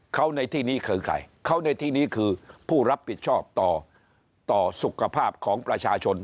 เขาในที่นี้คือใครเขาในที่นี้คือผู้รับผิดชอบต่อต่อสุขภาพของประชาชน